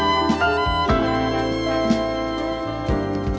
สวัสดีค่ะ